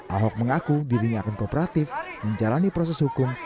ahok mengaku dirinya akan kooperatif menjalani proses hukum